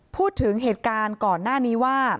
พูดถึงเหตุการณ์ก่อนหน้านี้ว่า